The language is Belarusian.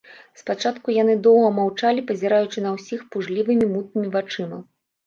Спачатку яны доўга маўчалі, пазіраючы на ўсіх пужлівымі, мутнымі вачыма.